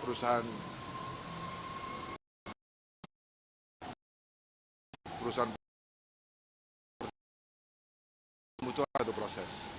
perusahaan perusahaan yang membutuhkan satu proses